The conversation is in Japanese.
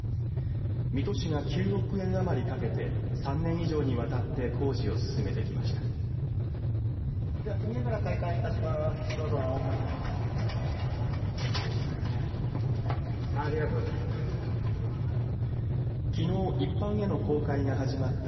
水戸市が９億円余りかけて３年以上にわたって工事を進めてきました。